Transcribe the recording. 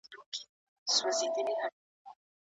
د خوړو مسمومیت د بدن دفاعي سیستم ته سخت زیان رسوي.